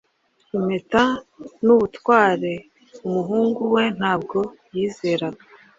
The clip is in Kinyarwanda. Impeta nubutware umuhungu we ntabwo yizeraga